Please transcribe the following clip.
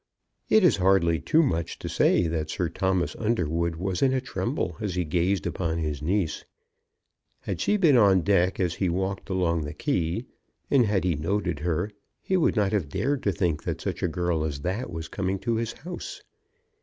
It is hardly too much to say that Sir Thomas Underwood was in a tremble as he gazed upon his niece. Had she been on the deck as he walked along the quay, and had he noted her, he would not have dared to think that such a girl as that was coming to his house.